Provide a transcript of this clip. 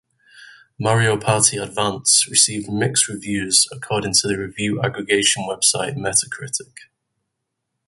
"Mario Party Advance" received "mixed" reviews according to the review aggregation website Metacritic.